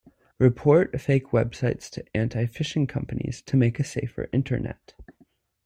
Report fake websites to anti-phishing companies to make a safer internet.